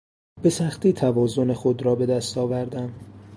به سختی توازن خود را به دست آوردم.